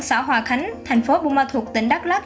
xã hòa khánh tp bung ma thuộc tỉnh đắk lắc